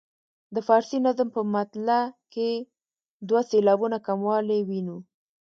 د فارسي نظم په مطلع کې دوه سېلابونه کموالی وینو.